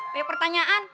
biar gua pertanyaan